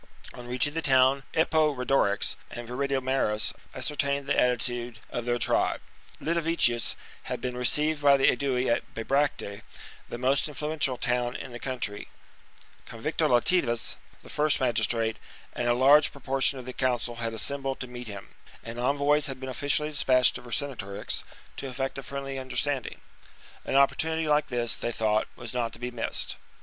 On reaching the town, Epore dorix and Viridomarus ascertained the attitude of their tribe : Litaviccus had been received by the Aedui at Bibracte, the most influential town in the country ; Convictolitavis, the first magistrate, and a large proportion of the council had assembled to meet him ; and envoys had been officially dispatched to Vercingetorix to effect a friendly 248 THE REBELLION book 52 B.C. understanding. An opportunity like this, they thought, was not to be missed.